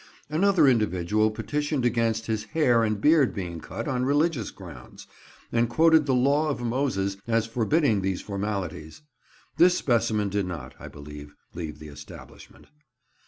Another individual petitioned against his hair and beard being cut, on religious grounds, and quoted the Law of Moses as forbidding these formalities. This specimen did not, I believe, leave the establishment.